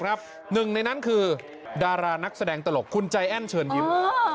หนึ่งในนั้นคือดารานักแสดงตลกคุณใจแอ้นเชิญยิ้ม